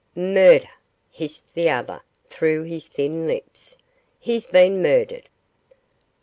'Murder!' hissed the other through his thin lips. 'He's been murdered!